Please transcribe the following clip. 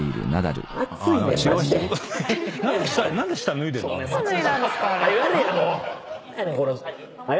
何で下脱いでんの？